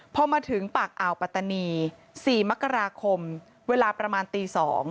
พอมาถึงปากอ่าวปัตตานี๔มกราคมเวลาประมาณตี๒